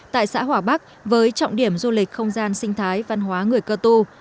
tại xã hòa bắc với trọng điểm du lịch không gian sinh thái văn hóa người cơ tu